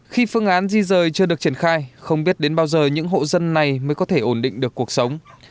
khi phương án di rời chưa được triển khai không biết đến bao giờ những hộ dân này mới có thể ổn định được cuộc sống